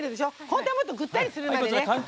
本当はもっとぐったりするまでね。